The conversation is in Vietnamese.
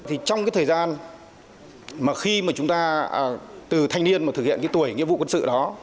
trong thời gian mà khi chúng ta từ thanh niên thực hiện tuổi nhiệm vụ quân sự đó